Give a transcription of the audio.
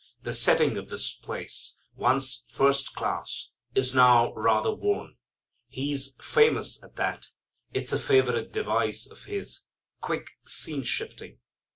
The setting of this place, once first class, is now rather worn. He's famous at that. It's a favorite device of His; quick scene shifting.